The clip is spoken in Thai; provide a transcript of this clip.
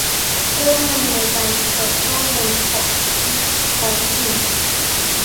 เครื่องมือในการเปิดข้อมูลของท้องถิ่น